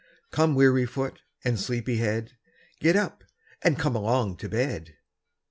Come, weary foot, and sleepy head, Get up, and come along to bed."